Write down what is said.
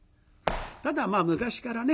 ただまあ昔からね